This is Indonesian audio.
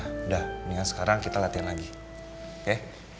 udah mendingan sekarang kita latihan lagi ya